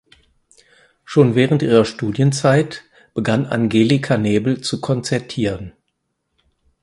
Schon während ihrer Studienzeit begann Angelika Nebel zu konzertieren.